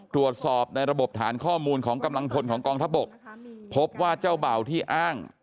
ตรวจสอบในระบบฐานข้อมูลของกำลังพลของกองทัพบกพบว่าเจ้าเบ่าที่อ้าง